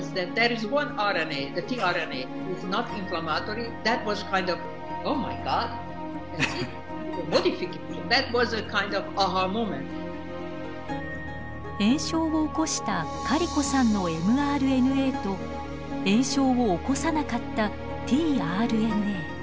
なぜか炎症を起こしたカリコさんのｍＲＮＡと炎症を起こさなかったｔＲＮＡ。